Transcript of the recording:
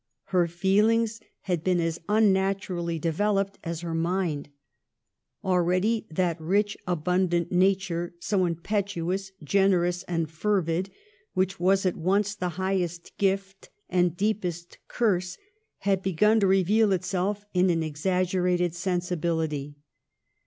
Her feelings had been as unnaturally developed as her mind. Already that rich, abundant nature, so impetuous, gener ous, and fervid, which was at once the highest gift and deepest curse, had begun to reveal itself in an exaggerated sensibility.